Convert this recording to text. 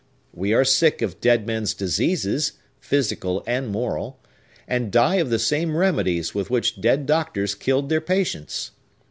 We are sick of dead men's diseases, physical and moral, and die of the same remedies with which dead doctors killed their patients!